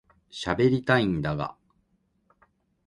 しゃべりたいんだが